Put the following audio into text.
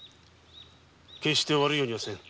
決して悪いようにはせぬ。